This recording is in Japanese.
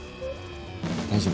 大丈夫。